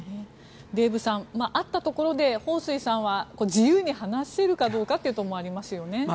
デーブさん会ったところでホウ・スイさんは自由に話せるかどうかというところもありますよね。